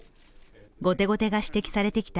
後手後手が指摘されてきた